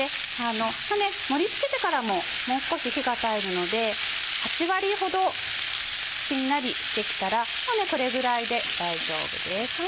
盛り付けてからももう少し火が通るので８割ほどしんなりしてきたらもうこれぐらいで大丈夫です。